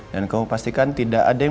dan kamu pastikan tidak ada yang